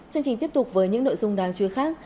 chương trình tiếp tục với những nội dung đáng chui khác